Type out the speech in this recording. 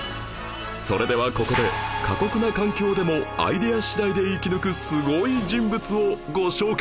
それではここで過酷な環境でもアイデア次第で生き抜くすごい人物をご紹介します